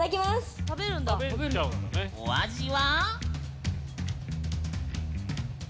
お味は？